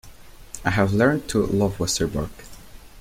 I have learnt to love Westerbork.